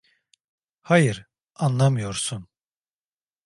Hayır, anlamıyorsun.